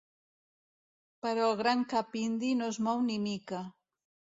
Però el gran cap indi no es mou ni mica.